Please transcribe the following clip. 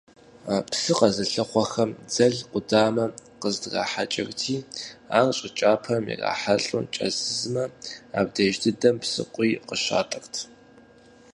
Псы къэзылъыхъуэхэм дзэл къудамэ къыздрахьэкӀырти, ар щӀы кӀапэм ирахьэлӀэу кӀэзызмэ, абдеж дыдэм псыкъуий къыщатӀырт.